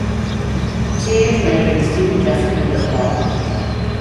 Two years later, the student dress code was abolished.